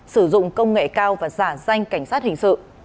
sử dụng công nghệ cao và giả danh cảnh sát hình sự